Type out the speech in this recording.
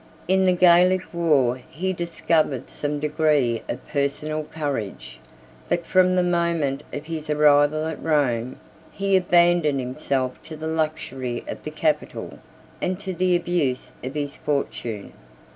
In the Gallic war he discovered some degree of personal courage; 80 but from the moment of his arrival at Rome, he abandoned himself to the luxury of the capital, and to the abuse of his fortune.